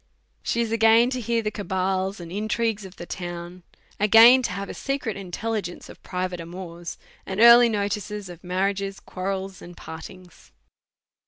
She is again to hear the cabals and intrigues of the town, again to have secret intelligence of private amours, and early notice of marriages,, quarrels, and partings.